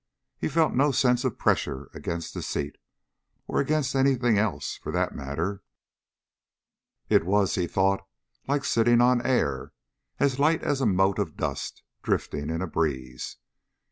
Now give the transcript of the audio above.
He felt no sense of pressure against the seat, or against anything else, for that matter. It was, he thought, like sitting on air, as light as a mote of dust drifting in a breeze.